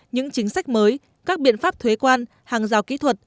những chính sách mới các biện pháp thuế quan hàng rào kỹ thuật